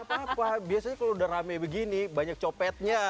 apa apa biasanya kalau udah rame begini banyak copetnya